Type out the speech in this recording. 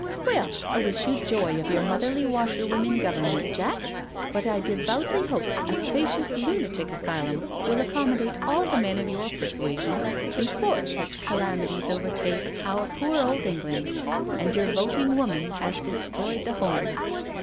•* Well, I wish you joy of your motherly washer women Government, Jack, but I devoutly hope a spacious lunatic asylum will accommodate all the men of your persuasion before such calamities overtake our poor old England, and your voting woman has de stroyed the home."